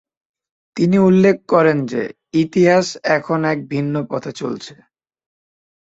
তিনি উল্লেখ করেন যে, ইতিহাস এখন এক ভিন্ন পথে চলছে।